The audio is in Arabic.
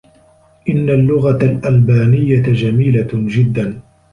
إنّ اللّغة الألبانيّة جميلة جدّا.